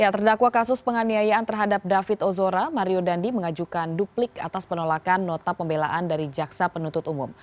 terdakwa kasus penganiayaan terhadap david ozora mario dandi mengajukan duplik atas penolakan nota pembelaan dari jaksa penuntut umum